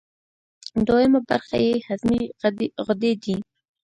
دویمه برخه یې هضمي غدې دي.